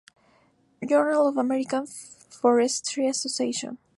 Journal of the American Forestry Association.